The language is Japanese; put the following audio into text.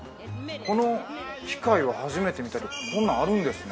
この機械は初めて見たけどこんなんあるんですね。